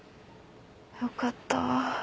よかった。